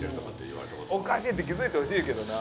おかしい！って気づいてほしいけどな。